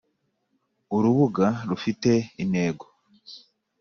urubuga rufite intego